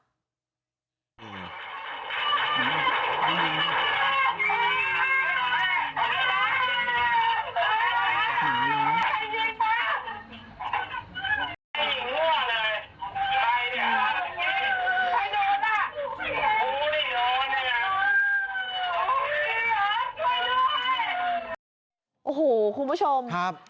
ยิงมั่วเลยใครเนี่ยใครโดนอ่ะโอ้โหคุณผู้ชมครับ